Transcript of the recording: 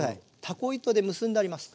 たこ糸で結んであります。